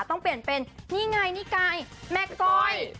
ต้องเปลี่ยนเป็นนี่ไงนี่ไก่แม่ก้อย